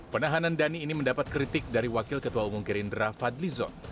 penahanan dhani ini mendapat kritik dari wakil ketua umum gerindra fadli zon